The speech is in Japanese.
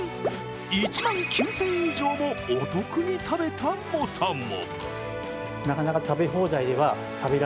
１万９０００円以上もお得食べた猛者も。